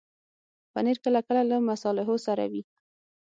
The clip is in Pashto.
پنېر کله کله له مصالحو سره وي.